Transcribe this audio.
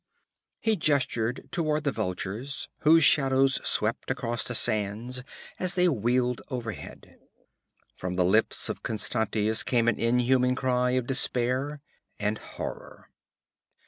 He gestured toward the vultures whose shadows swept across the sands as they wheeled overhead. From the lips of Constantius came an inhuman cry of despair and horror.